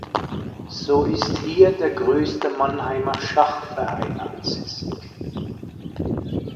So ist hier der größte Mannheimer Schachverein ansässig.